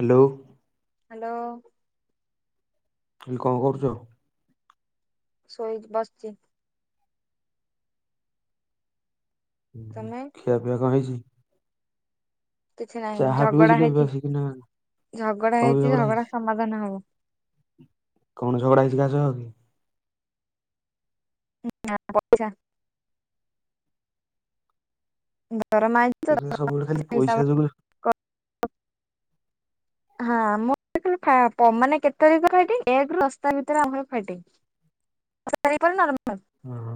Hello. Hello. କିଏ କଣ କରୁଛ? ଶୋଇ ବସଛି। ତମେ ଖିଆ ପିଆ କଣ ହେଇଛି? କିଛି ନାହିଁ ଚାହା ଝଗଡା ପିଉଥିଲୁ ଏବେ ହେଇଛି ଆସିକି ନା ଝଗଡା ହେଇଛି ଝଗଡା ସମାଧାନ ହବ। କଣ ଝଗଡା ହେଇଛି କାହାସହ? [inaudible] ଦରମା ଆଇଚି ତ ଦେଖିଲା ସବୁବେଳେ ଖାଲି ସେଇ ପଇସା ଯୋଗୁ ହିସାବରେ [inaudible] [inaudible] [inaudible] [unintelligible] ଓ ହୋ।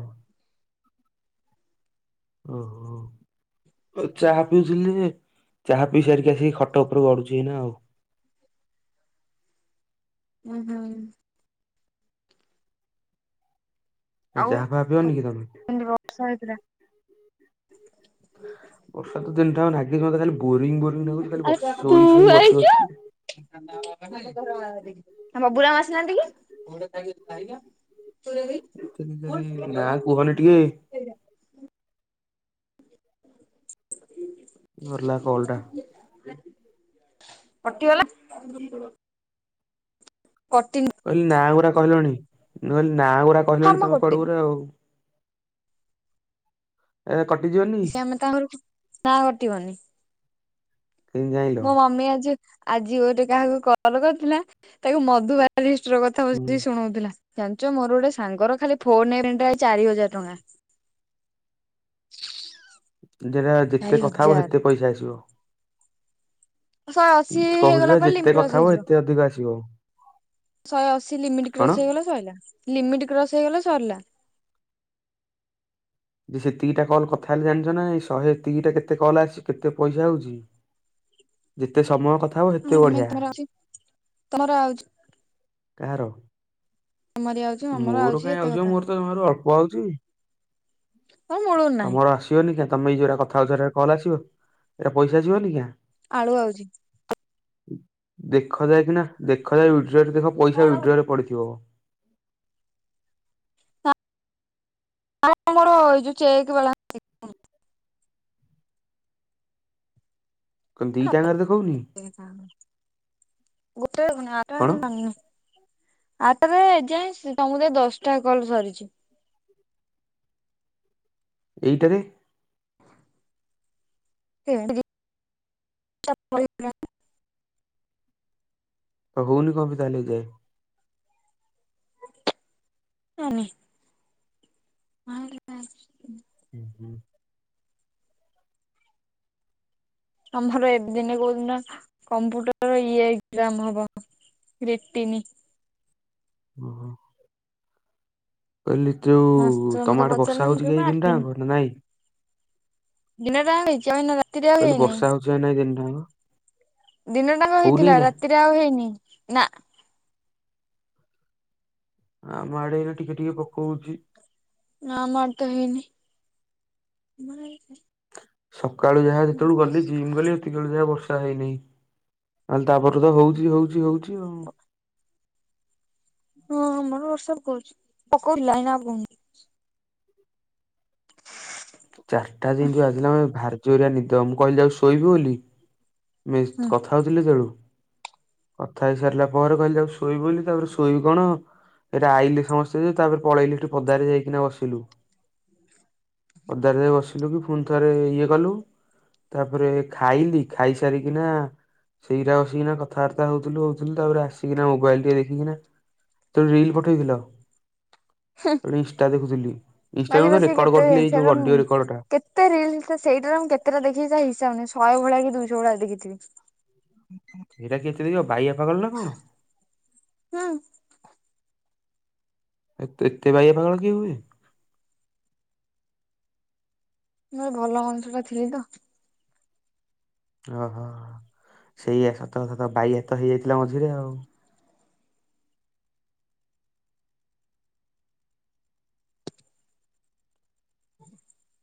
ଓଃ ହୋ ଚାହା ପିଉଥିଲି ଯେ ଚାହା ପିଇ ସାରିକି ଆସିକି ଖଟ ଉପରେ ଗଡୁଛି ଏଇନା ଆଉ। ଉଁ ହୁଁ। ଯାହା ପାହା ପିଅନ କି ତମେ? ଏମିତି ବର୍ଷା ହୋଉଥିଲା। ବର୍ଷା ତ ଦିନଠୁ ଲାଗି ଖାଲି ବୋରି ବୋରିଙ୍ଗ ଲାଗୁଛି ଖାଲି ବସି ଶୋଇ ଶୋଇ ବସି ବସି। ଆମ ବୁଢା ମା ଆସିନାହାନ୍ତି କି। [inaudible] ନା କୁହନି ଟିଏ। ଏଇଟା। ଧରିଲା କଲ୍ ଟା। କଟିଗଲା। କଟିିନି। କହିଲେ ନାଁ ଗୁୁରା କହିଲଣି ନହେଲେ ନା ଗୁରା ହଁ କହିଲଣି ମ ତମେ କୁଆଡୁ କଟିନି ଗୁରେ ଆଉ। ଏ କଟିଯିବନି। ସେ ଆମେ ତା ନା କଟିବନି। କେମିତି ଜାଇଁଲ? ମୋ ମମି ଆଜି ଆଜି ଗୋଟେ କାହାକୁ କଲ କରିଥିଲା ତାକୁ ମଧୁବାର। ବାରିଷ୍ଟର କଥା ବୁଝିକି ହୁଁ ଶୁଣଉଥିଲା। ଜାଣିଛ ମୋର ଗୋଟେ ସାଙ୍ଗର ଖାଲି ଫୋନ ହେଇ ଚାରି ହଜାର ଟଙ୍କା। ଯେଟା ଚାରି ଯେତେ କଥା ହବ ହଜାର ସେତେ ପଇସା ଆସିବ। ଶହେ ଅଶୀ କହୁଛି ହେଇଗଲା ପା ପରେ ଯେତେ ଲିମିଟ କ୍ରସ କଥା ହବ ହେଇଯିବ। ସେତେ ଅଧିକ ଆସିବ। ଶହେ ଅଶୀ ଲିମିଟ କଣ? କ୍ରସ ହେଇଗଲା ସରିଲା ଲିମିଟ କ୍ରସ ହେଇଗଲା ସରିଲା। ଯେ ସେତିିକିଟା କଲ୍ କଥା ହେଲେ ଜାଣିଛ ନା ଶହେ ତିିଟା କେତେ କଲ୍ ଆସିଛି କେତେ ପଇସା ଆଉଛି। ଯେତେ ସମୟ କଥା ହବ ସେତେ ତମେ ବଢିଆ ତମର ଅଛି ତମର ଆଉଛି କାହାର। ତମରି ଆଉଛି ଆମର ମୋର ଆଉଛି କାଇଁ ଏତେ ଆଉଚି ମ କଥା ମୋର ତ ଜମାରୁ ଅଳ୍ପ ଆଉଚି। ତ ମୁଳୁରୁ ନାହିଁ। ଯିବନି କ ତମେଇ ଯଉଟା କଥାହଉଛ କଲ ଆସିବ ଏଇଟା ପଇସା ଆସିବନି କିଆଁ। ଆଳୁ ଆଉଛି। ଦେଖ ଯାଏ କିନା ଦେଖାଯାଏ ୱିଡ୍ରରେ ଦେଖ ପଇସା ୱିଡ୍ରୋ ରେ ପଡିଥିବ। ଆଉ ଆମର ଏଇ ଯୋଉ ଚେକ ବାଲା। କଣ ଦିଇଟାଙ୍କରେ ଦେଖୋଉନି? ଗୋଟେ ଆଟ କଣ ଭଙ୍ଗ। [inaudible] ଆରଟାରେ ଏ ଯାଏଁ ସମୁଦାଏ ଦଶଟା କଲ ସରିଛି। ଏଇଟାରେ। ସେ। [inaudible] ଆଉ ହଉନି କଣ ପାଇଁ ତାହେଲେ ଏଯାଏ? ଜାଣିନି। [inaudible] ହଁ। [inaudible] ହ। [inaudible] ହୁଁ ହୁଁ। ତମର ଏ ଦିନ କୋଉଦିନ କମ୍ପୁଟର ଇ ଏଗଜାମ୍ ହବ। ରିଟିିନି। ଓଃ ହୋ। କହିଲି ଯୋଉ ମାଷ୍ଟର ତମ ମତେ ଆଡେ ବର୍ଷା ପଚାରିଲେ ମୁଁ ହଉଛି କି କହିଲି ଏଇ ମା ଦିନି ଟାକ ନା ନାଇଁ? ଦିନ ଯାଙ୍କ ହେଇଛି ଆଇ। [inaudible] କହିଲୁ ବର୍ଷା ହଉଛି ନାଇ ଦିନଟା ଯାଙ୍କ। ଦିନ ଟାଙ୍କ ହେଇଥିଲା ରାତିରେ ଆଉ ହେଇନି ନା। ଆମ ଆଡେ ଏଇନା ଟିକେ ଟିକେ ପକଉଛି। ନାଁ ଆମ ଆଡେ ତ ହେଇନି। ସକାଳୁ ଯାହା ଯେତେବେଳୁ ଗଲି ଜିମ୍ ଗଲି। ସେତିକେଳେ ଯାହା ବର୍ଷା ହେଇନିଁ ଆହଲେ ତାପରେ ତ ହଉଛି ହଉଛି ହଉଛି ଆଉ ହଁ ଆମର ବର୍ଷା ପକଉଛି ପକଉଥିଲା ଏ ନା ଆଉ ପକଉନି। ଚାରିଟା ଯେମିତି ବାଜିଲା ମୋତେ ଭାରି ଜୋରିଆ ନିଦ ମୁଁ କହିଲି ଆକୁ ଶୋଇବି ବୋଲି। ମି ହୁଁ କଥା ହଉଥିଲେ ତେଳୁ କଥା ହେଇସାରିଲା ପରେ କହିଲି ଯାଉଛି ଶୋଇବି ବୋଲି ତାପରେ ଶୋଇବି କଣ ଏଇଟା ଆଇଲେ ସମସ୍ତେ ତାପରେ ପଳେଇଲି ହେଠୁ ପଦାରେ ଯାଇକିନା ବସିଲୁ। ପଦାର ବସିଲୁ କି ଫୁଣି ଥରେ ଇଏ କଲୁ ତାପରେ ଖାଇଲି। ଖାଇ ସାରିକିନା ସେଇରା ବସିକିନା କଥାବାର୍ତ୍ତା ହଉଥିଲୁ ହଉଥିଲୁ ତାପରେ ଆସିକିନା ମୋବାଇଲ ଟିକେ ଦେଖିକିନା ଯେତଳେ ରିଲ ପଠେଇଥିଲ। ଇଷ୍ଟା ଦେଖୁଥିଲି ଆଜି ଇଷ୍ଟାରୁ ପା ବସିକି ରେକର୍ଡ କେତେ କରୁଥିଲି ଏଇ ଯୋଉ ସେଟା ଅଡିଓ ରେକର୍ଡଟା କେତେ ରିଲସ ସେଇଟା ରେ ମୁଁ କେତଟା ଦେଖିଚି ତା ହିସାବ ନହିଁ ଶହେ ଭଳିଆ କି ଦୁଇଶହ ଭଳିଆ ଦେଖିଥିବି। ସେଇଟା କିଏ ଏତେ ଦେଖିବ ବାଇଆ ପାଗଳ ନା କଣ? ହୁଁ ଏ ଏତେ ବାଇଆ ପାାଗଳ କିଏ ହୁଏ। ମୁଁ ଭଲ ମନିଷଟା ଥିଲି ତ ଓହୋ ସେଇୟା ସତ ସତ ବାଇୟା ତ ହେଇଯାଇଥିଲା ମଝିରେ ଆଉ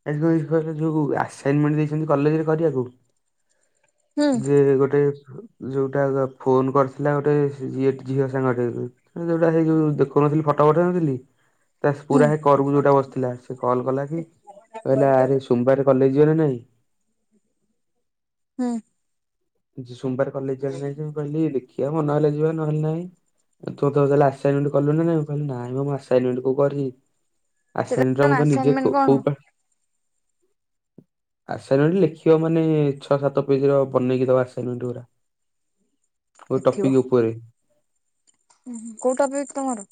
ଆ [unintelligible] ଯୋଉ ଆସଇନମେଣ୍ଟ ଦେଇଛନ୍ତି କଲେଜରେ କରିବାକୁ। ହୁଁ ଯେରେ ଗୋଟେ ଯୋଉଟା ତ ଫୋନ କରିଥିଲା ଗୋଟେ ଇଏ ଝିଅ ସାଙ୍ଗ ଟେ ସେ ଯୋଉଟା ହେଇ ଯୋଉ ଦେଖୁନଥିଲି ଫଟୋ ପଠେଇ ନଥିଲି। ତା ହୁଁ ପୁରା ହେ କରକୁ ଯୋଉଟା ବସିଥିଲା ସେ କଲ୍ କଲା କି କହିଲା ଆରେ ସୋମବାର କଲେଜ ଯିବା ନା ନାଇଁ? ହୁଁ। ସୋମବାର କଲେଜ [unintelligible] କହିଲି ଦେଖିଆ ମନହଲେ ଯିବା ନହେଲେ ନାହିଁ। ତୁ ତ ତାହାଲେ ଆସାଇନମେଣ୍ଟ କଲୁ ନାହିଁ ମୁଁ କହିଲି ନାଇଁମ ମୁଁ ଆସଇନମେଣ୍ଟ କଉ କରି ସେଟା ଆସାଇନରା କଣ ମୁଁ ତ ନିଜେ ଆସାଇନମେଣ୍ଟ କଣ କୋ-କୋଉପା ଆସାଇନମେଣ୍ଟ ଲେଖିବ ମାନେ ଛଅ ସାତ ପେଜର ବନେଇକି ଦବା ଆସାଇନମେଣ୍ଟ ଗୁରା କୋଉ ଟପିକ ଉପରେ ହୁଁ କୋଉ ଟପିକ ତମର?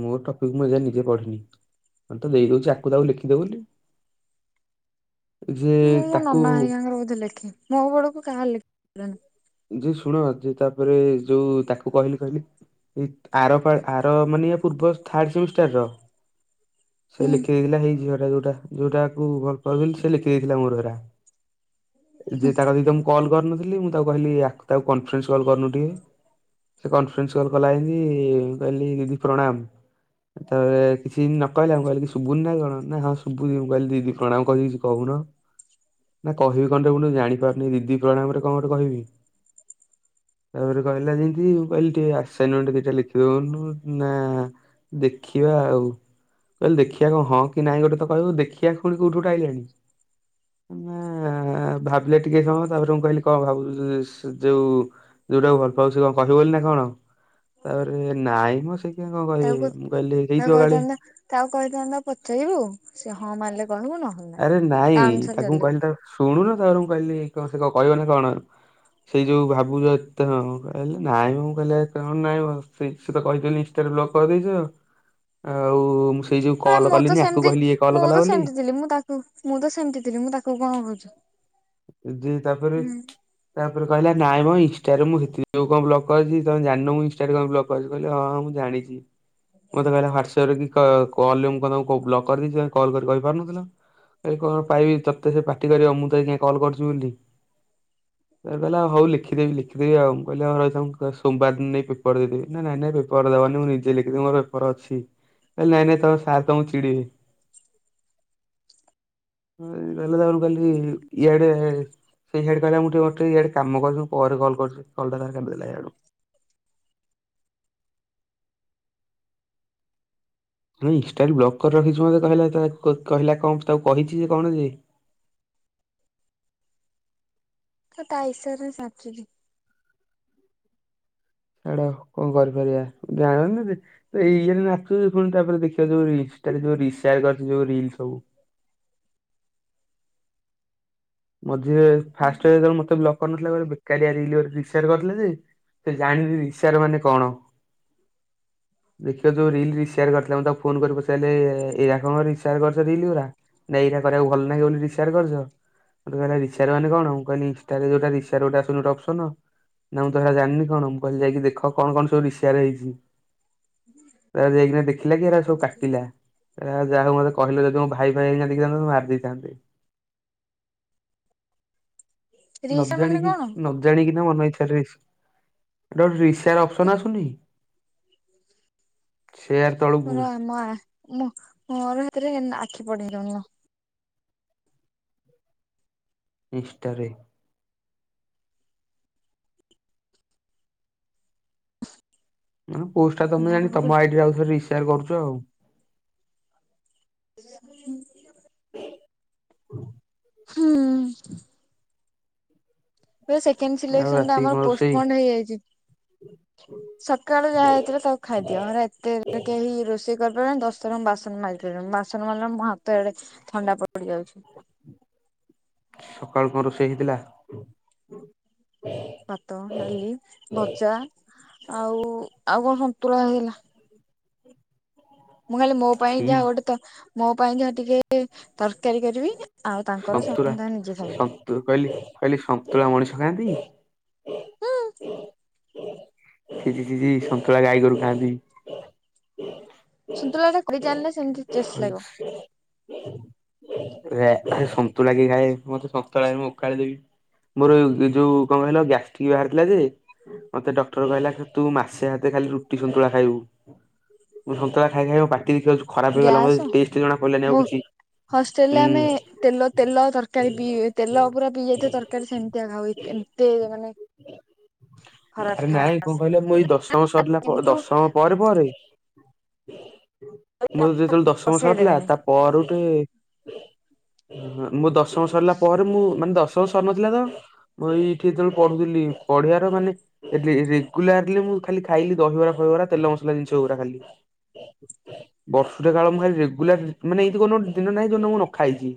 ମୋ ଟପିକ ମୁଁ ଏଯାଏଁ ନିଜେ ପଢିନି ମୁଁ ତ ଦେଇଦଉଛି ଆକୁ ତାକୁ ଲେଖିଦଉ ବୋଲି। [unintelligible] ଯେ ମୁଁ ମୋ ତାକୁ ନନା ହେରିଙ୍କାର ବୋଧେ ଲେଖେ ମୋ ବେଳକୁ କାହାର ଲେଖି ଲନ ଯେ ଶୁଣ ଯେ ତାପରେ ଯୋଉ ତାକୁ କହିଲି କହିଲି ଏଇ ଆରପା ଆର ମାନେ ଇୟା ପୂର୍ବ ଥାର୍ଡ ସେମିଷ୍ଟାର ର ସେ ହୁଁ ଲେଖି ଦେଇଥିଲା ହେଇ ଝିଅଟା ଯୋଟା ଯୋଉଟାକୁ ଭଲ ପାଉଥିଲି ସେ ଲେଖିଦେଇଥିଲା ମୋର ଏରା। ଯେ ତା କଦକି ତ ମୁଁ କଲ୍ କରିନଥିଲି ମୁଁ ତାକୁ କହିଲି ଆ ତାକୁ କନଫରେନ୍ସ କଲ୍ କରନୁ ଟିକେ ସେ କନଫ୍ରେରେନ୍ସ କଲ କଲା ହେତି କହିଲି ଦିଦି ପ୍ରଣାମ ତାରେ କିଛି ନ କହିଲେ ମୁଁ କହିଲି ଶୁବୁନି ନା କଣ ନା ହଁ ଶୁବୁଚି ମୁଁ କିହିଲି ଦିଦି ପ୍ରଣାମ କହିଲି କିଛି କହୁନ। ନା କହିବି କଣଟେ ବୁଲୁ ଜାଣିପାରୁନି ଦିଦି ପ୍ରଣାମରେ କଣ ଗୋଟେ କହିବି। ତାପରେ କହିଲା ଯେମିତି ମୁଁ କହିଲି ଟିକେ ଆସାଇନଜମେଣ୍ଟ ଦିଟା ଲେଖିଦଉନୁ ନା ଦେଖିବା ଆଉ କହିଲେ ଦେଖିବା କଣ ହଁ କି ନାଇଁ ଗୋଟେ ତ କହିବ ଦେଖିବା ଫୁଣି କୋଉଠୁ ଗୋଟେ ଆଇଲାଣି। ନାଆଁ ଭାବିଲା ଟିକେ ସମୟ ତାପରେ ମୁଁ କହିଲି କଣ ଭାବୁଛୁ? ସ ଯୋଉ ଯୋଉଟାକୁ ଭଲ ପାଉଚୁ ସେ କଣ କହିବ ବୋଲି ନା କଣ ତାପରେ ନାଇଁ ମଁ ସିଏ କଣ କହିବେ ମୁଁ କହିଲି ହେଇଥିବ କାଳେ ତାଉ କହିଥାନ୍ତା ପଚାରିବୁ ସେ ହଁ ମାରିଲେ କହିବୁ ନହେଲେ ନାହିଁ। ଆରେ ତା ନାଇଁ ଅନୁସାରେ ତାକୁ ମୁଁ ଚାଲିବୁ କହିଲି ତା ଶୁଣୁନୁ ତାପରେ ମୁଁ କହିଲି କଣ ସେ କହିବ ନା କଣ ସେଇ ଯୋଉ ଭାବୁଛ ଏତେ ସମୟ କହିଲା ନାଇଁଁମ ମୁଁ କହିଲି ଏତେ କଣ ନାଇଁ [unintelligible] ସେ ତ କହିଚନ୍ତି ଇନଷ୍ଟାରେ ବ୍ଲଗ କରିଦେଇଛ ଆଉ ମୁଁ ସେଇ ଯୋଉ ଏ କଲ୍ ମୁଁ ତ କଲିନି ଆକୁ ସେମିତି କହିଲି ଇଏ କଲ୍ ମୁଁ କଲା ତ ବୋଲି। ସେମିତି ଥିଲି ମୁଁ ତାକୁ ମୁଁ ତ ସେମିତି ଥିଲି ମୁଁ ତାକୁ କଣ କହୁଛୁ। ଯେ ତାପରେ ତାପରେ କହିଲା ନାଇଁ ମ ଇନ୍ସ୍ତାରେ ରେ ମୁଁ ସେଥି ଯଗୁ କଣ ବ୍ଲକ୍ କରିଛି ତମ ଜାଣିନ ମୁଁ ଇନଷ୍ଟାରେ କଣ ବ୍କ୍କକ କରିବି କହିଲ ହଁ ହଁ ମୁଁ ଜାଣିଛି। [unintelligible] [unintelligible] ବ୍ଲକ୍ କରିଦେଇଥିଲ କଲ୍ କରି କହିପାରୁନଥିଲ। କହିଲି କଣ ପାଇବି ତତେ ସେ ପାଟି କରିବ ମୁଁ ତତେ କାଇଁ କଲ୍ କରୁଚି ବୋଲି। ହେଠୁ କହିଲା ହଉ ଲେଖିଦେବି ଲେଖିଦେବି ଆଉ। ମୁଁ କହିଲି ହଁ ରହିଥା ମୁଁ ସୋମବାର ଦିନ ନେଇ ପେପର୍ ଦେଇଦେବି। ନା ନାଇଁ ନାଇଁ ପେ ପେପର୍ ଦବନି ମୁଁ ନିଜେ ଲେଖିଦେବି ମୋର ପେପର୍ ଅଛି। କହିଲି ନାଇଁ ନାଇଁ ତମ ସାର୍ ତମକୁ ଚିଡିବେ। [unintelligible] ତାକୁ କହିଲି ଇଆଡେ ସେ ହିଆଡେ କହିଲା ମୁଁ ଟିକେ ମୋର ଟିକେ ଇଆଡେ କାମ କରୁଚି ମୁଁ ପରେ କଲ୍ କରୁଚି। କଲ୍ ଟା ତାପରେ କାଟି ଦେଲା ଇଆଡୁ। ନାଇଁ ଇନଷ୍ଟା ରେ ବ୍ଲକ୍ କରି ରଖିଚି ମତେ କହିଲା ତା କହିଲା କଣ ତାକୁ କହିଚି ଯେ କଣ ଯେ। ସେ ତା ଇସାରା ରେ ନାଚୁଚି। ସେଇଡା ଆଉ କଣ କରିପାରିବା। [unintelligible] ତା ଇଏ ରେ ନାଚୁଚି ପୁଣି ତାପରେ ଦେଖିବ ଯୋଉ ଇନଷ୍ଟା ରେ ଯୋଉ ରି ଶେୟାର୍ କରିଚି ଯୋଉ ରିଲ୍ ସବୁ। ମଝିରେ ଫାଷ୍ଟ ଯେତେବେଳେ ମତେ ବ୍ଲକ୍ କରିନଥିଲା। [unintelligible] କାଲି ରିଲ୍ ଗୋଟେ ରି ଶେୟାର୍ କରିଥିଲା ଯେ ସେ ଜାଣିନି ରି ଶେୟାର୍ ମାନେ କଣ। ଦେଖିବ ଯୋଉ ରିଲ୍ ରି ସେୟାର କରିଥିଲା ମୁଁ ତାକୁ ଫୋନ୍ କରି ପଚାରିଲି ଏରା କଣ ରି ସେୟାର କରିଚ ରିଲ୍ ଗୁରା। ନା ଏଇରା କରିବାକୁ ଭଲ ଲାଗେ ବୋଲି ରି ସେୟାର କରିଚ। କହିଲା ଏରା ରି ସେୟାର ମାନେ କଣ? ମୁଁ କହିଲି ଇନଷ୍ଟା ରେ ଯୋଉଟା ରି ସେୟାର ଗୋଟେ ଆସୁନି ଗୋଟେ ଅପ୍ସନ ନା ମୁଁ ହେରା ଜାଣିନି କଣ। ମୁଁ କହିଲି ଯାଇକି ଦେଖ କଣ କଣ ସବୁ ରି ସେୟାର ହେଇଚି। ତାପରେ ଯାଇକିନା ଦେଖ୍ ଦେଖିଲା କି ହେରା ସବୁ କାଟିଲା। କହିଲା ଯାହା ହଉ ମତେ କହିଲେ ଯଦି ମୋ ଭାଇ ଫାଇ ଏଇନା ଦେଖିଥାନ୍ତେ ମତେ ମାରି ଦେଇଥାନ୍ତେ। ନ ରିସା ମାନେ ଜାଣିକି ନ କଣ ବୁ ନ ଜାଣିକିନା ମନ ଇଚ୍ଛା ରିସ୍ ହେଟା ଗୋଟେ ରି ସେୟାର ଅପ୍ସନ ଆସୁନି। ସେୟାର ତଳକୁ ମୋର ଆମ ଆ ମୁଁ ମୋର ହେଥିରେ ଆଖି ପଡିି। [unintelligible] ଇନଷ୍ଟା ରେ। ତମ ପୋଷ୍ଟଟା ତମେ ଜାଣି ତମ ଆଇଡି ରେ ଆଉ ଥରେ ରି ସେୟାର କରୁଚ ଆଉ। [unintelligible] ହୁଁ। ସେକେଣ୍ଡ ଆଉ ସିଲେକ୍ସନ୍ ଟା ରାତିକି ଆମର କଣ ପୋଷ୍ଟପଣ୍ଡ ହେଇଯାଇଚି। ହୁଁ ସକାଳୁ ଯାହା ହେଇଥିଲା ତାକୁ ଖାଇଦିଅ। ହେରା ଏତେ କେହି ରୋଷେଇ କରିପାରିବେନି ଦଶଥର ମୁଁ ବାସନ ମାଜି ପାରିବିନି। ବାସନ ମାଜିଲା ବେଳକୁ ମୋ ହାତ ଇଆଡେ ଥଣ୍ଡା ପଡି ଯାଉଚି। ସକାଳୁ କଣ ରୋଷେଇ ହେଇଥିଲା? ଭାତ, ଡାଲି, ଭଜା ଆଉ ଆଉ କଣ ସନ୍ତୁଳା ହେଇଥିଲା। ମୁଁ ଖାଲି ମୋ ପାଇଁ ଛି ଯାହା ଗୋଟେ ତ ମୋ ପାଇଁ ଯାହା ଟିକେ କେ ତରକାରୀ କରିବି। ଆଉ ତାଙ୍କର ସେମାନେ ତାଙ୍କର ନିଜେ ଖାଇବେ। ତୁ କହିଲି କହିଲି ସନ୍ତୁଳା ମଣିଷ ଖାଆନ୍ତି? ହୁଁ ଛି ଛି ଛି ସନ୍ତୁଳା ଗାଈଗୋରୁ ଖାଆନ୍ତି। ସନ୍ତୁଳା ଟା କରି ଜାଣିଲେ ସେମିତି ଟେଷ୍ଟ ଲାଗିବ। ୱେ ସନ୍ତୁଳା କିଏ ଖାଏ। ମତେ ସନ୍ତୁଳା ଦେଲେ ମୁଁ ଓକାଳି ଦେବି। ମୋର ଯୋଉ କଣ କହିଲ ଗ୍ୟାସ ଷ୍ଟିକ୍ ବାହାରିଥିଲା ଯେ, ମତେ ଡକ୍ଟର କହିଲା ତୁ ମାସେ ଆତେ ଖାଲି ରୁଟି ସନ୍ତୁଳା ଖାଇବୁ। ମୁଁ ସନ୍ତୁଳା ଖାଇ ଖାଇ ପାଟି ବି ଖରାପ ହେଇଗଲା ମତେ ଟେଷ୍ଟ ଜଣା ପଡିଲାନି ଆଉ କିଛି। ହଷ୍ଟେଲ ହୁଁ ରେ ଆମେ ତେଲ ତେଲ ତରକାରୀ ପିଇ ତେଲ ପୁରା ପିଇ ଯାଇଥିବା ତର କାରୀ ସେମିତିଆ ଖାଉ। ଏମତେ ମାନେ ଖରାପ ଆରେ ଖାରା ନାଇଁ କଣ ଆସେ କହିଲ ମୁଁ ଏଇ ଦଶମ ସରିଲା ପ କିନ୍ତୁ ଦଶମ ପରେ ପରେ ମୋର ଯେତେବେଳେ ଦଶମ ବସେଇ ସରିଲା ଦେବେନି। ତା ପରୁ ଟେ ମୋ ଦଶମ ସରିଲା ପରେ ମୁଁ ମାନେ ଦଶମ ସରି ନଥିଲା ତ ମୁଁ ଏଇଠି ଯେତବେଳେ ପଢୁଥିଲି ପଢ଼ିବା ର ମାନେ ରେ ରେଗୁଲାରଲି ମୁଁ ଖାଲି ଖାଇଲି ଦହିବରା ଫହିବାର ତେଲ ମସଲା ଜିନିଷ ଗୁରା ଖାଲି। ବର୍ଷଟା କାଳ ମୁଁ ଖାଲି ରେଗୁଲାର ମାନେ ଏଇ କଉ ଦିନ ନାହିଁ ଯୋଉ ମୁଁ ନଖାଇଛି।